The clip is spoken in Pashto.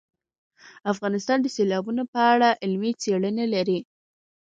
افغانستان د سیلابونه په اړه علمي څېړنې لري.